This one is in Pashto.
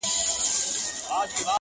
یا بیګانه وه لېوني خیالونه٫